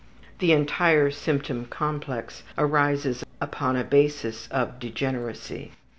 The entire symptom complex arises upon a basis of degeneracy.